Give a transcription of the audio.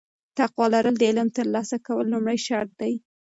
تقوا لرل د علم د ترلاسه کولو لومړی شرط دی.